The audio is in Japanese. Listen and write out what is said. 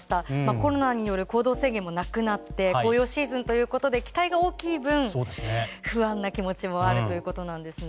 コロナによる行動制限もなくなって紅葉シーズンということで期待が大きい分不安の気持ちもあるということなんですね。